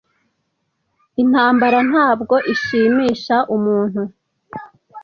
Intambara ntabwo ishimisha umuntu.